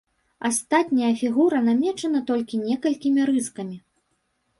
Астатняя фігура намечана толькі некалькімі рыскамі.